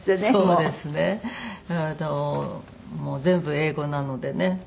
全部英語なのでね